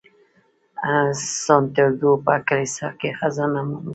سانتیاګو په کلیسا کې خزانه مومي.